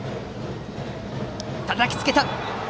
たたきつけた！